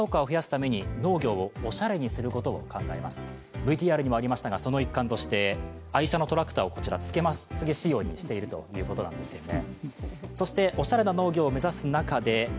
ＶＴＲにもありましたが、その一環として愛車のトラクターをつけまつげ仕様にしているということなんですね。